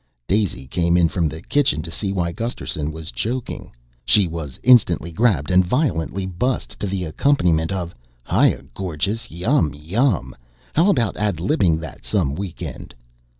Daisy came in from the kitchen to see why Gusterson was choking. She was instantly grabbed and violently bussed to the accompaniment of, "Hiya, Gorgeous! Yum yum! How about ad libbing that some weekend?"